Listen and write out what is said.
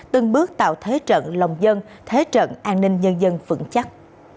từng bước tạo thế trận lòng dân thế trận an ninh nhân dân vững chắc